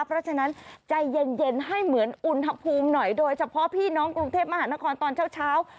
เพราะฉะนั้นใจเย็นให้เหมือนอุณหภูมิหน่อยโดยเฉพาะพี่น้องกรุงเทพมหานครตอนเช้า